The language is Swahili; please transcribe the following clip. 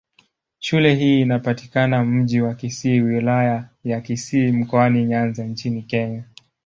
Shule hii inapatikana katika Mji wa Kisii, Wilaya ya Kisii, Mkoani Nyanza nchini Kenya.